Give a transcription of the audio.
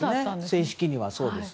正式にはそうです。